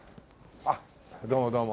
あっどうもどうも。